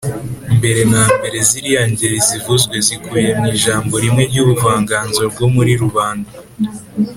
mbere na mbere ziriya ngeri zivuzwe zikubiye mu ijambo rimwe ry’ubuvanganzo bwo muri rubanda